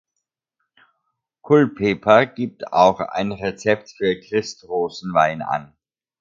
Culpeper gibt auch ein Rezept für Christrosen-Wein an.